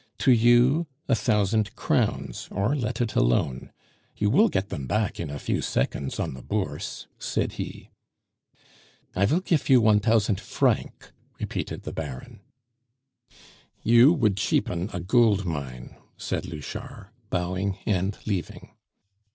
"To you a thousand crowns, or let it alone. You will get them back in a few seconds on the Bourse," said he. "I will gif you one tousant franc," repeated the Baron. "You would cheapen a gold mine!" said Louchard, bowing and leaving.